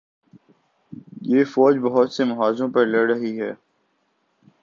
یہ فوج بہت سے محاذوںپر لڑ رہی ہے۔